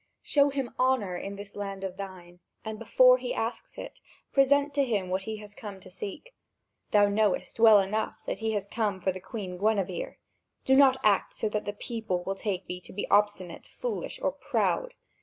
Show him honour in this land of thine, and before he asks it, present to him what he has come to seek. Thou knowest well enough that he has come for the Queen Guinevere. Do not act so that people will take thee to be obstinate, foolish, or proud.